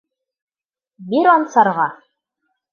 Бир Ансарға.